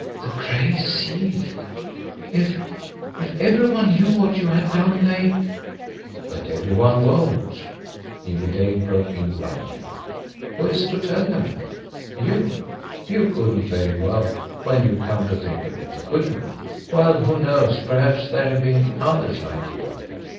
The Gray Seal! If if every one knew what you had done, they " "But every one won't," Jimmie Dale broke in bluntly, "Who is to tell them? You? You couldn't very well, when you come to think of it could you? Well, who knows, perhaps there have been others like you!"